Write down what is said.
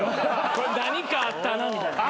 これ何かあったなみたいな。